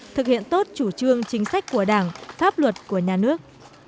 thực hiện tốt chủ trương chính sách của đảng pháp luật của nhà nước